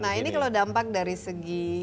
nah ini kalau dampak dari segi